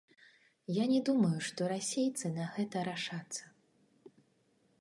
Я не думаю, што расейцы на гэта рашацца.